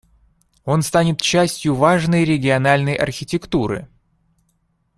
Он станет частью важной региональной архитектуры.